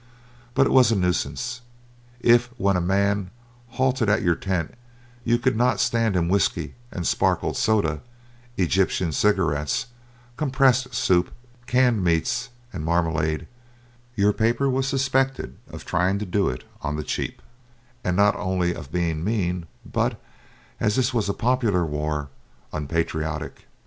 But it was a nuisance. If, when a man halted at your tent, you could not stand him whiskey and sparklet soda, Egyptian cigarettes, compressed soup, canned meats, and marmalade, your paper was suspected of trying to do it "on the cheap," and not only of being mean, but, as this was a popular war, unpatriotic.